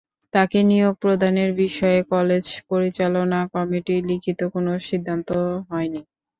তাঁকে নিয়োগ প্রদানের বিষয়ে কলেজ পরিচালনা কমিটির লিখিত কোনো সিদ্ধান্ত হয়নি।